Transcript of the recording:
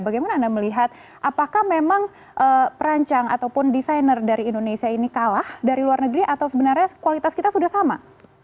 bagaimana anda melihat apakah memang perancang ataupun desainer dari indonesia ini kalah dari luar negeri atau sebenarnya kualitas kita sudah sama